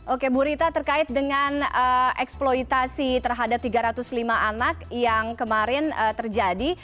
oke bu rita terkait dengan eksploitasi terhadap tiga ratus lima anak yang kemarin terjadi